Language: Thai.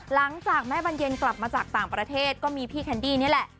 หลังจากแม่บรรเย็นกลับมาจากต่างประเทศก็มีพี่แคนดี้นี่แหละ